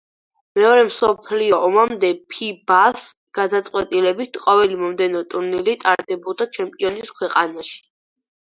მეორე მსოფლიო ომამდე „ფიბა-ს“ გადაწყვეტილებით ყოველი მომდევნო ტურნირი ტარდებოდა ჩემპიონის ქვეყანაში.